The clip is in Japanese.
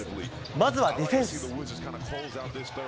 まずはディフェンス。